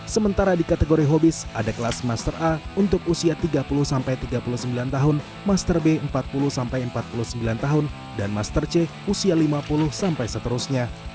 sementara di kategori hobis ada kelas master a untuk usia tiga puluh sampai tiga puluh sembilan tahun master b empat puluh sampai empat puluh sembilan tahun dan master c usia lima puluh sampai seterusnya